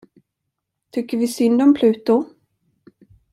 Tycker vi synd om Pluto?